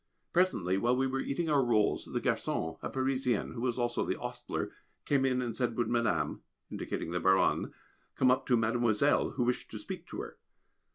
Presently while we were eating our rolls, the garçon, a Parisian (who was also the ostler), came in and said: Would Madame indicating the Baronne come up to "Mademoiselle," who wished to speak to her?